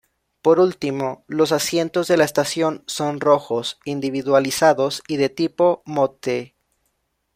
Por último, los asientos de la estación son rojos, individualizados y de tipo Motte.